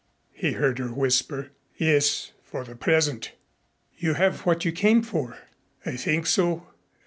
he heard her whisper. "Yes, for the present." "You have what you came for?" "I think so."